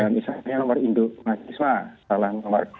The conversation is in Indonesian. misalnya nomor indok mahasiswa salah nomor